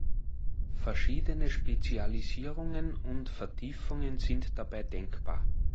Verschiedene Spezialisierungen und Vertiefungen sind dabei denkbar.